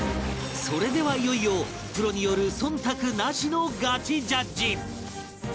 それではいよいよプロによる忖度なしのガチジャッジ